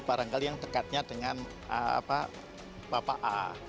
barangkali yang dekatnya dengan bapak a